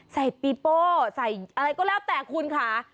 ปีโป้ใส่อะไรก็แล้วแต่คุณค่ะ